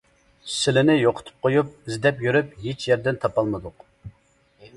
سىلىنى يوقىتىپ قويۇپ، ئىزدەپ يۈرۈپ، ھېچ يەردىن تاپالمىدۇق.